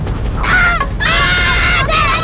aduh kena en insurance